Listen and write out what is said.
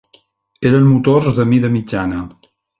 Eren motors de mida mitjana.